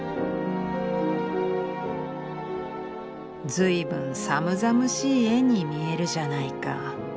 「ずいぶん寒々しい絵に見えるじゃないか。